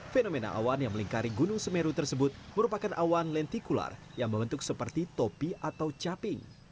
fenomena awan yang melingkari gunung semeru tersebut merupakan awan lentikular yang membentuk seperti topi atau caping